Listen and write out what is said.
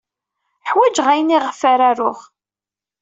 Ḥwajeɣ ayen ayɣef ara aruɣ.